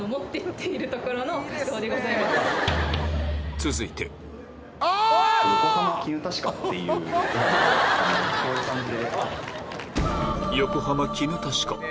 続いてはこういう感じで。